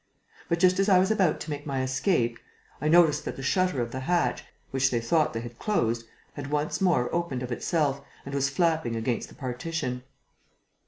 But, just as I was about to make my escape, I noticed that the shutter of the hatch, which they thought they had closed, had once more opened of itself and was flapping against the partition.